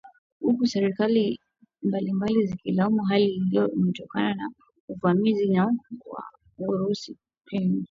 huku serikali mbalimbali zikilaumu hali hiyo imetokana na uvamizi wa Urusi nchini Ukraine